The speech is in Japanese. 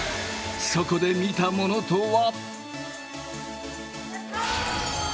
そこで見たものとは？